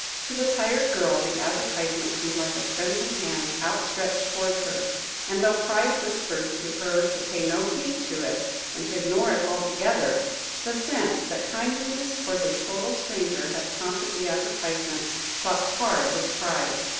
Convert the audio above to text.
To the tired girl the advertisement seemed like a friendly hand outstretched towards her; and though pride whispered to her to pay no heed to it, and to ignore it altogether, the sense that kindliness towards a total stranger had prompted the advertisement, fought hard with pride.